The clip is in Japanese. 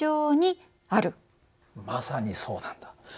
まさにそうなんだ。